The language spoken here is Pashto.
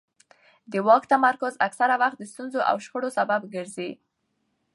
د واک تمرکز اکثره وخت د ستونزو او شخړو سبب ګرځي